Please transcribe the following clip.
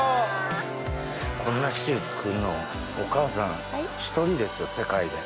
こんなシチュー作るのお母さん一人ですよ世界で。